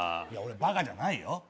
俺バカじゃないよ。